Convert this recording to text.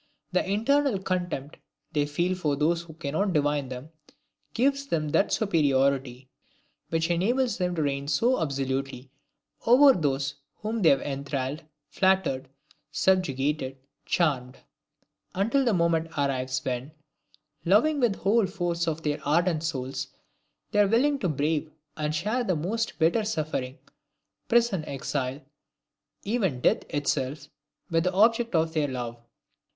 The internal contempt they feel for those who cannot divine them, gives them that superiority which enables them to reign so absolutely over those whom they have enthralled, flattered, subjugated, charmed; until the moment arrives when loving with the whole force of their ardent souls, they are willing to brave and share the most bitter suffering, prison, exile, even death itself, with the object of their love!